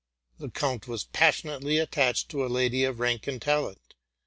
The count was passion ately attached to a lady of rank and talent.